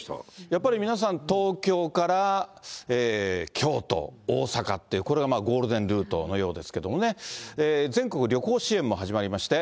やっぱり皆さん、東京から京都、大阪って、これはまあゴールデンルートのようですけれどもね、全国旅行支援も始まりまして。